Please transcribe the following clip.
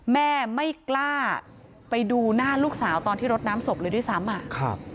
แม่ไม่กล้าไปดูหน้าลูกสาวตอนที่รดน้ำศพเลยด้วยซ้ำอ่ะ